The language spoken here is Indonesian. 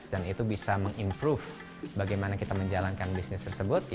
dan itu bisa meng improve bagaimana kita menjalankan bisnis tersebut